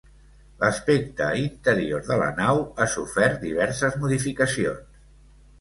L'aspecte interior de la nau ha sofert diverses modificacions.